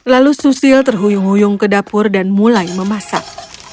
lalu susil terhuyung huyung ke dapur dan mulai memasak